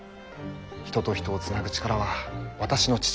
人と人を繋ぐ力は私の父。